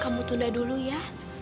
kamu tunda dulu ya